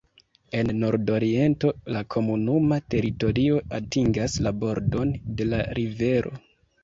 En nordoriento la komunuma teritorio atingas la bordon de la rivero.